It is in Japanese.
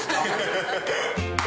ハハハッ。